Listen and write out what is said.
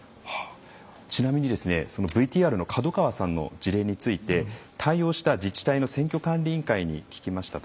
ちなみにＶＴＲの門川さんの事例について対応した自治体の選挙管理委員会に聞きました